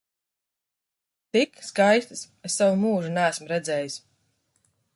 Tik skaistas es savu mūžu neesmu redzējis!